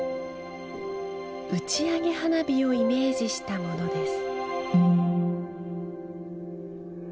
打ち上げ花火をイメージしたものです。